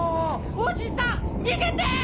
おじさん逃げて！